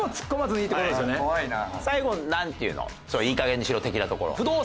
「いいかげんにしろ」的なところ。